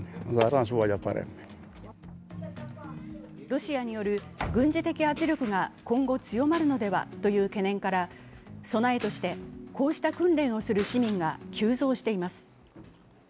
ロシアによる軍事的圧力が今後、強まるのではという懸念から備えとしてこうした訓練をする市民が急増しています。